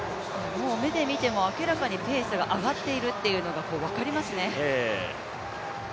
目で見ても明らかにペースが上がっているっていうのが分かりますね。